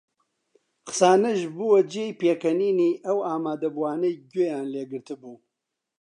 قسانەش بووە جێی پێکەنینی ئەو ئامادەبووانەی گوێیان لێ گرتبوو